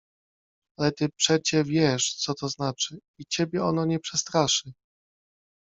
Ale ty przecie wiesz, co to znaczy — i ciebie ono nie przestraszy.